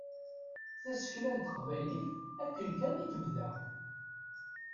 Tasekla taqbaylit akken kan i tebda.